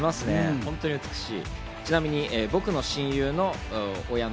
本当に美しい。